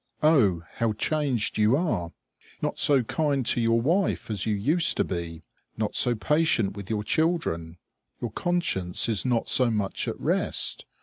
Oh! how changed you are! Not so kind to your wife as you used to be; not so patient with your children. Your conscience is not so much at rest.